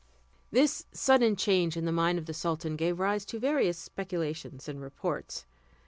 This sudden change in the mind of the sultan gave rise to various speculations and reports.